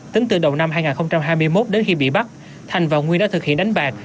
tính từ đầu năm hai nghìn hai mươi một đến khi bị bắt thành và nguyên đã thực hiện đánh bạc